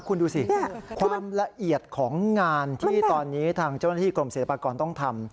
คุณดูสิความละเอียดของงานที่ตอนนี้ทางเจ้าหน้าที่กรมศิลปากรต้องทำ